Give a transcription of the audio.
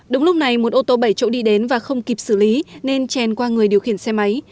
đúng lúc này một ô tô bảy chỗ đi đến và không kịp xử lý nên chèn qua người điều khiển xe máy